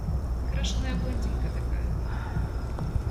Крашеная блондинка такая.